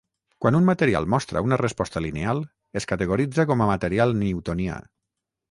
Quan un material mostra una resposta lineal es categoritza com a material newtonià.